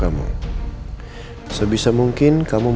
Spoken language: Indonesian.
kalau panggilan di bagianre transparencia